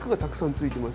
ついてます